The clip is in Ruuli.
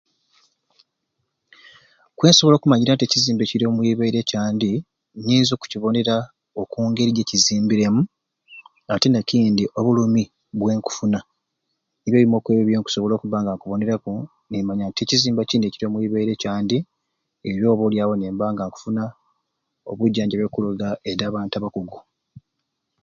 Kwensobola okumanyira nti ekizimba ekiri omwibeere nti kyandi nyinza okukibonera okungeri gikizimbiremu ate n'ekindi obulumi bwenkufuna nibyo ebimwe kwebyo byenkusobola okubba nga nkuboneraku nimanya nti ekizimba kini ekiri omwibeere kyandi era oba oli awo nimba nga nkufuna obujanjabi okuruga edi abantu abakugu.